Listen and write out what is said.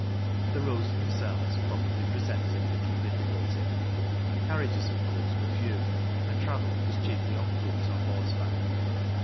The roads themselves probably presented little difficulty. Carriages, of course, were few, and travel was chiefly on foot or horseback.